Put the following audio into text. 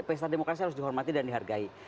pesta demokrasi harus dihormati dan dihargai